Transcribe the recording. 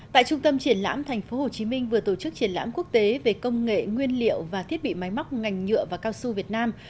tại trung tâm triển lãm thành phố hồ chí minh vừa tổ chức triển lãm quốc tế về công nghệ nguyên liệu và thiết bị máy móc ngành nhựa và cao su việt nam